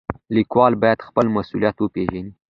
لیکوال باید خپل مسولیت وپېژني.